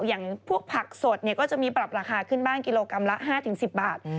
อย่างพวกผักสดก็จะมีปรับราคาขึ้นบ้างกิโลกรัมละ๕๑๐บาท